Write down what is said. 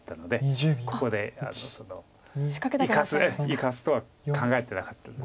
生かすとは考えてなかったんで。